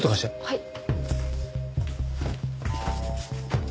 はい。